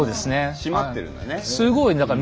締まってるんだね。